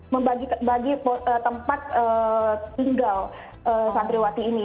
membagi bagi tempat tinggal santriwati ini